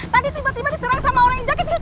tadi tiba tiba diserang sama orang yang jahit hitam